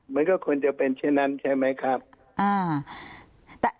มันก็ควรจะเป็นเช่นนั้นใช่ไหมครับอ่า